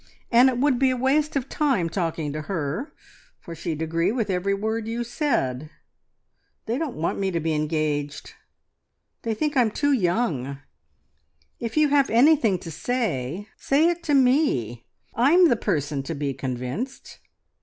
"And it would be a waste of time talking to her, for she'd agree with every word you said. They don't want me to be engaged. They think I'm too young. If you have anything to say, say it to Me. I'm the person to be convinced."